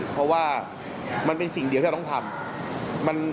เพราะว่ามันเป็นสิ่งเดียวที่เราต้องทำ